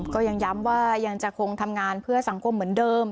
ก็ยังย้ำว่ายังจะคงทำงานเพื่อสังคมเหมือนเดิม